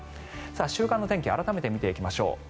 週間の天気改めて見ていきましょう。